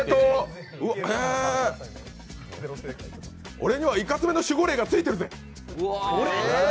俺にはいかつめの守護霊がついてるぜ。